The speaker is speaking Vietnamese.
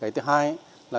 thứ hai là